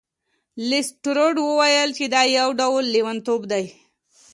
لیسټرډ وویل چې دا یو ډول لیونتوب دی.